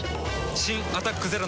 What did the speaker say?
新「アタックＺＥＲＯ」